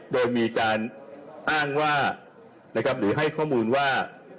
โดยมีการอ้างว่านะครับหรือให้ข้อมูลว่า